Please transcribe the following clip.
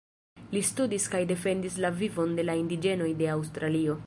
Li studis kaj defendis la vivon de la indiĝenoj de Aŭstralio.